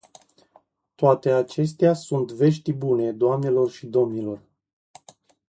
Toate acestea sunt vești bune, doamnelor și domnilor.